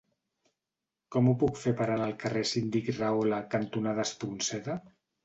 Com ho puc fer per anar al carrer Síndic Rahola cantonada Espronceda?